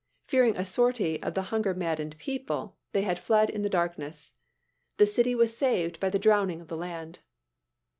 Fearing a sortie of the hunger maddened people, they had fled in the darkness. The city was saved by the drowning of the land.